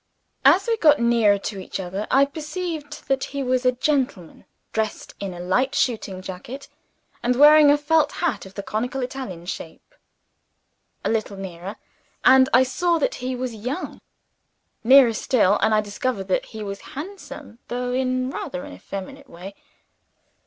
As we got nearer to each other I perceived that he was a gentleman; dressed in a light shooting jacket, and wearing a felt hat of the conical Italian shape. A little nearer and I saw that he was young. Nearer still and I discovered that he was handsome, though in rather an effeminate way.